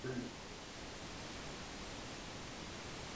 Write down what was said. kuzungumza kwa ukaribu na Jackson